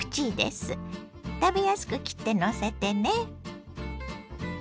食べやすく切ってのせてね。